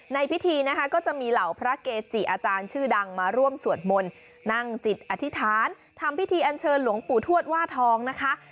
ในพิธีนะคะก็จะมีเหล่าพระเกจิอาจารย์ชื่อดังมาร่วมสวดมนต์นั่งจิตอธิษฐานทำพิธีอันเชิญหลวงปู่ทวดว่าทองนะคะ